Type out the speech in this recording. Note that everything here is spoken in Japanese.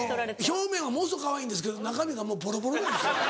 表面すごくかわいいんですけど中身がもうボロボロなんです。